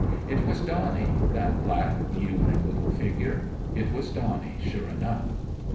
It was Donnie that black, yielding little figure. It was Donnie, sure enough